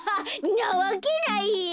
んなわけないよ。